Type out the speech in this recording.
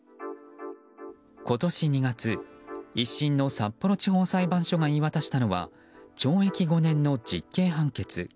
今年２月、１審の札幌地方裁判所が言い渡したのは懲役５年の実刑判決。